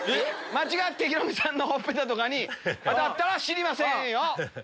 間違ってヒロミさんのほっぺに当たったら知りませんよ。